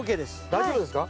大丈夫ですか？